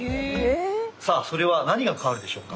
さあそれは何が変わるでしょうか？